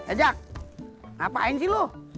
ejak ngapain sih lo